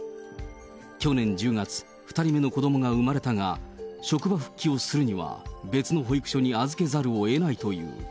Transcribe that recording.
去年１０月、２人目の子どもが産まれたが、職場復帰をするには、別の保育所に預けざるをえないという。